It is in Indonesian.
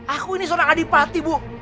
aku ini seorang adipati bu